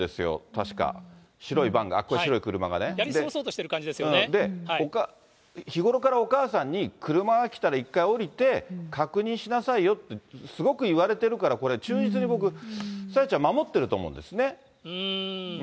確か、白いバンが、やり過ごそうとしてる感じで日頃からお母さんに車が来たら一回降りて、確認しなさいよと、すごく言われてるから、これ、忠実に、僕、朝芽ちゃん、守ってると思うんですね。